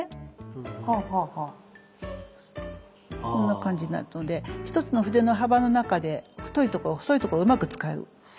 こんな感じになるので一つの筆の幅の中で太いところ細いところうまく使う。